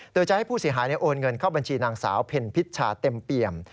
โดยจะให้ผู้เสียหายโอนเงินเข้าบัญชีนางสาวเพ็ญพิชชาเต็มเปี่ยม